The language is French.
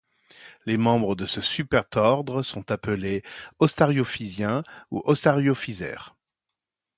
Les membres de ce super-ordre sont appelés ostariophysiens ou ostariophysaires.